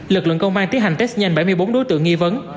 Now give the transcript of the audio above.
lực lượng công an tiến hành test nhanh bảy mươi bốn đối tượng nghi vấn